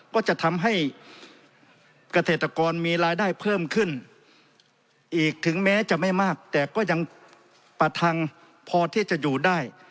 ก็จะทำให้เกษตรกรมีรายได้เพิ่มขึ้นอีกถึงแม้จะไม่มากแต่ก็ยังประทังพอที่จะอยู่ได้